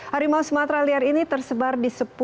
harimau sumatera liar ini tersebar di sepuluh taman nasional